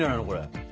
これ。